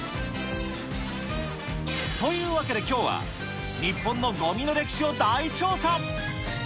というわけできょうは、日本のごみの歴史を大調査。